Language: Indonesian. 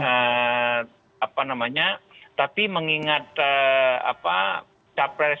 nah apa namanya tapi mengingat capres itu pastinya punya yang jauh lebih seluas